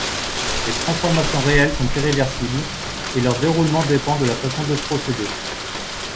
Les transformations réelles sont irréversibles et leur déroulement dépend de la façon de procéder.